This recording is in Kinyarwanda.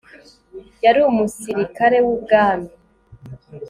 Yari umusirikare wubwami